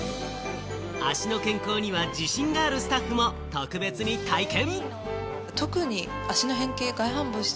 足の健康には自信があるスタッフも特別に体験。